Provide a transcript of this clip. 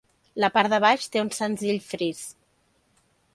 La part de baix té un senzill fris.